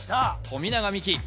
富永美樹